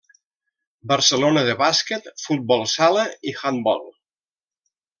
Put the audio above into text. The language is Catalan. Barcelona de bàsquet, futbol sala i handbol.